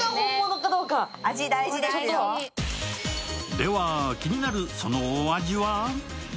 では気になるそのお味は？